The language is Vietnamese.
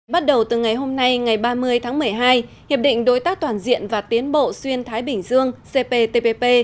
bắt đầu từ ngày hôm nay ngày ba mươi tháng một mươi hai hiệp định đối tác toàn diện và tiến bộ xuyên thái bình dương cptpp